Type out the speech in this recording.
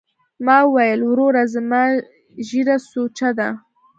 ما وويل وروره زما ږيره سوچه ده.